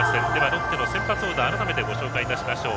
ロッテの先発オーダーを改めてご紹介します。